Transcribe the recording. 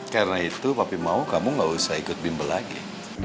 karena itu papi mau kamu nggak usah ikut bimbel lagi